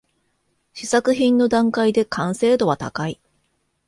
試作品の段階で完成度は高い